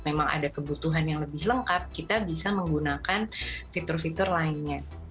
memang ada kebutuhan yang lebih lengkap kita bisa menggunakan fitur fitur lainnya